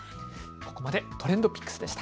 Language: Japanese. ここまでＴｒｅｎｄＰｉｃｋｓでした。